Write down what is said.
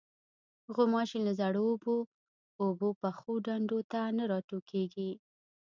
غوماشې له زړو اوبو، اوبو پخو ډنډو نه راټوکېږي.